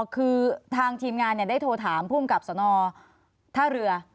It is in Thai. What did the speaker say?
คือทางทีมงานได้โทรถามภูมิกับสนท่าเรือ